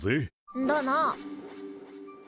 んだな。